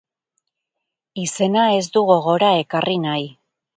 Izena ez du gogora ekarri nahi.